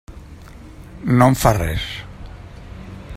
No em fa res.